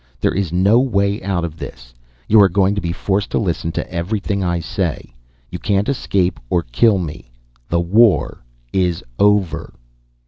There is no way out of this. You are going to be forced to listen to everything I say. You can't escape or kill me. The war is over."